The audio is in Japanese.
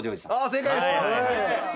正解です